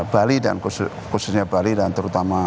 bali dan khususnya bali dan terutama